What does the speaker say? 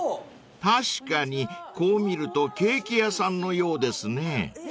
［確かにこう見るとケーキ屋さんのようですね］